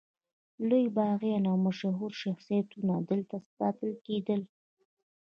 لوی باغیان او مشهور شخصیتونه دلته ساتل کېدل.